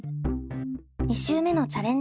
２週目のチャレンジ